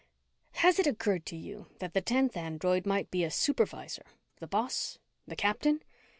"Has it occurred to you that the tenth android might be a supervisor, the boss, the captain?